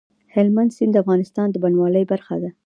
هلمند سیند د افغانستان د بڼوالۍ برخه ده.